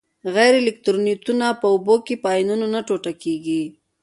غیر الکترولیتونه په اوبو کې په آیونونو نه ټوټه کیږي.